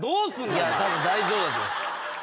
いやたぶん大丈夫だと思います。